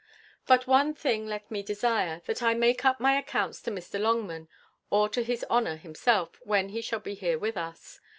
But one thing let me desire, that I make up my accounts to Mr. Longman, or to his honour himself, when he shall be here with us.